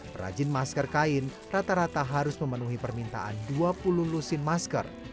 perajin masker kain rata rata harus memenuhi permintaan dua puluh lusin masker